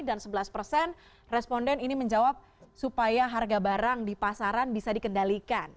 dan sebelas persen responden ini menjawab supaya harga barang di pasaran bisa dikendalikan